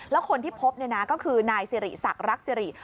แล้วคนที่พบก็คือนายสิริศักดิ์รักษ์สิริศักดิ์